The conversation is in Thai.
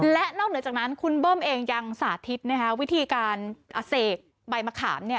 และนอกเหนือจากนั้นคุณเบิ้มเองยังสาธิตวิธีการอเสกใบมะขาม